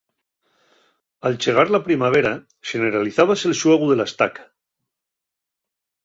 Al chegar la primavera xeneralizábase'l xuegu de la estaca.